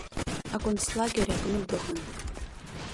Аконцлагер аҟны дыҟан.